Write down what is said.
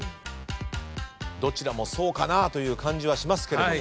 どちらもそうかなという感じはしますけれども。